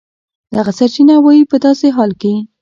دغه سرچینه وایي په داسې حال کې